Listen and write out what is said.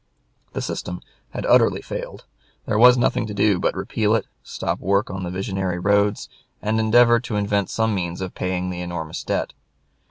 The system had utterly failed; there was nothing to do but repeal it, stop work upon the visionary roads, and endeavor to invent some means of paying the enormous debt.